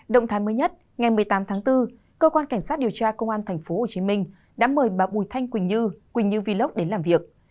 động thái mới nhất ngày một mươi tám tháng bốn cơ quan cảnh sát điều tra công an tp hcm đã mời bà bùi thanh quỳnh như quỳnh như vilock đến làm việc